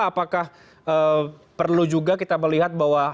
apakah perlu juga kita melihat bahwa